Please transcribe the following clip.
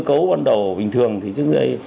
cái cơ cấu ban đầu bình thường thì trước đây